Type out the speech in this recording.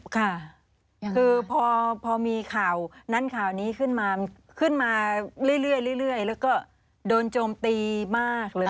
ค่ะคือพอมีข่าวนั้นข่าวนี้ขึ้นมาขึ้นมาเรื่อยแล้วก็โดนโจมตีมากเลย